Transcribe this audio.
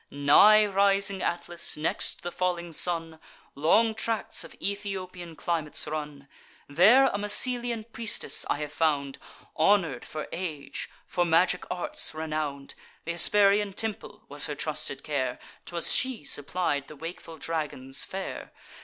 Nigh rising Atlas, next the falling sun, Long tracts of Ethiopian climates run: There a Massylian priestess I have found, Honour'd for age, for magic arts renown'd: Th' Hesperian temple was her trusted care; 'Twas she supplied the wakeful dragon's fare.